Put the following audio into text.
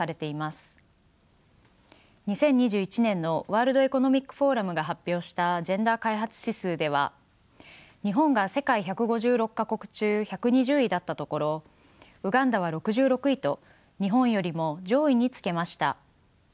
２０２１年のワールド・エコノミック・フォーラムが発表したジェンダー開発指数では日本が世界１５６か国中１２０位だったところウガンダは６６位と日本よりも上位につけました。